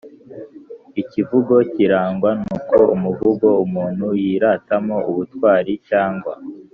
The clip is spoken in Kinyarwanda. ikivugo kirangwa nuko umuvugo umuntu yiratamo ubutwari cyangwa